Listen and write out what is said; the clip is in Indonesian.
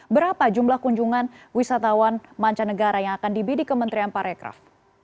berapa jumlah kunjungan wisatawan mancanegara yang akan dibidi kementerian pak rekraf